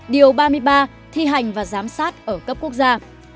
điều ba mươi ba thi hành và giám sát ở cấp quốc gia